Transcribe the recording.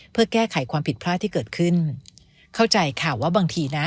เพื่อแก้ไขความผิดพลาดที่เกิดขึ้นเข้าใจค่ะว่าบางทีนะ